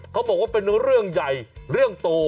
เขาบอกว่าเป็นเรื่องใหญ่เรื่องโต